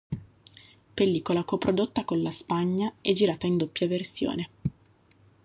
Pellicola coprodotta con la Spagna e girata in doppia versione.